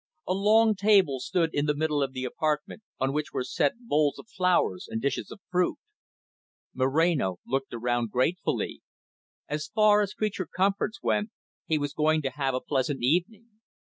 A long table stood in the middle of the apartment, on which were set bowls of flowers and dishes of fruit. Moreno looked around gratefully. As far as creature comforts went, he was going to have a pleasant evening.